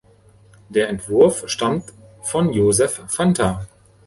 Der Entwurf stammt von Josef Fanta.